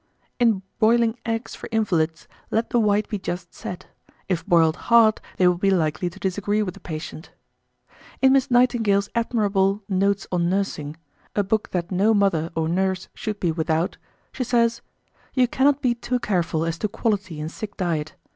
1852. In boiling eggs for invalids, let the white be just set; if boiled hard, they will be likely to disagree with the patient. 1853. In Miss Nightingale's admirable "Notes on Nursing," a book that no mother or nurse should be without, she says, "You cannot be too careful as to quality in sick diet.